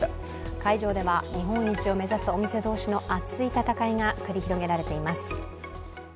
会場では日本一を目指すお店同士の熱い闘いが繰り広げられています。